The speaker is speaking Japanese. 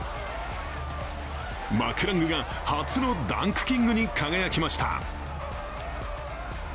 マクラングが初のダンクキングに輝きました。